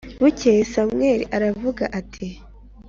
Bukeye Samweli aravuga ati